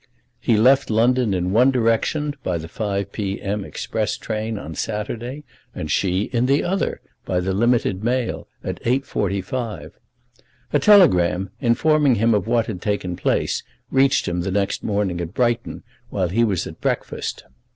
He left London in one direction by the 5 P.M. express train on Saturday, and she in the other by the limited mail at 8.45. A telegram, informing him of what had taken place, reached him the next morning at Brighton while he was at breakfast.